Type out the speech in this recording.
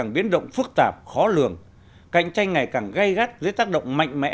biến động phức tạp khó lường cạnh tranh ngày càng gây gắt dưới tác động mạnh mẽ